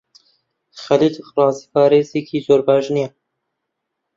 خەلیل ڕازپارێزێکی زۆر باش نییە.